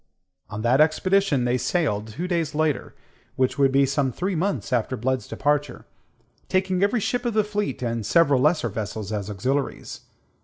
On that expedition they sailed two days later which would be some three months after Blood's departure taking every ship of the fleet, and several lesser vessels as auxiliaries.